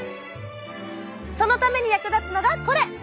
そのために役立つのがこれ！